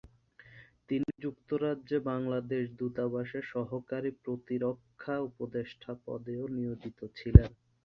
তিনি যুক্তরাজ্যে বাংলাদেশ দূতাবাসে সহকারী প্রতিরক্ষা উপদেষ্টা পদেও নিয়োজিত ছিলেন।